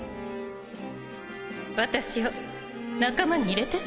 私を仲間に入れて